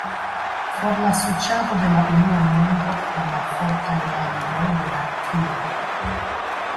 For la suĉado de la unua mondo el la malfortaj landoj de la tria!